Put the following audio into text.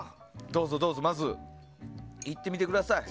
どうぞまずいってみてください。